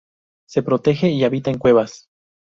Se protege y habita en cuevas.